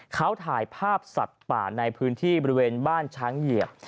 เขาถ่ายภาพสัตว์ป่าในพื้นที่บริเวณบ้านช้างเหยียบ